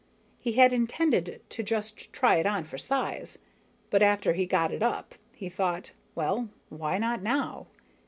He had intended to just try it on for size, but after he got it up he thought: well, why not now?